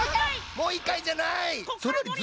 もういっかいじゃない！